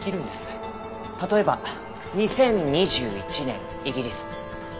例えば２０２１年イギリス。